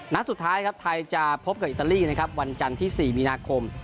นัดสุดท้ายครับไทยจะพบกับอิตาลีนะครับวันจันทร์ที่๔มีนาคม